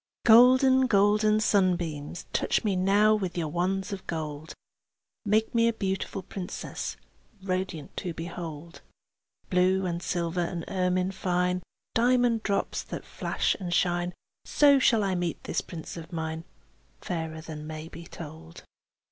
Golden, golden sunbeams, Touch me now with your wands of gold; Make me a beautiful princess, Radiant to behold. Blue and silver and ermine fine, Diamond drops that flash and shine; So shall I meet this prince of mine, Fairer than may be told.